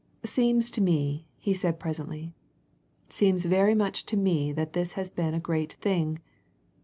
"Seems to me," he said presently, "seems very much to me that this has been a great thing!